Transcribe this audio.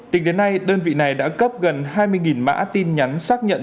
tính đến nay đơn vị này đã cấp gần hai mươi mã tin nhắn xác nhận